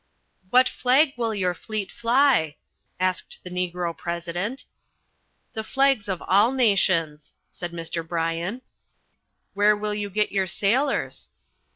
"What flag will your fleet fly?" asked the Negro President. "The flags of all nations," said Mr. Bryan. "Where will you get your sailors?"